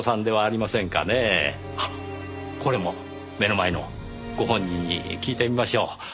あっこれも目の前のご本人に聞いてみましょう。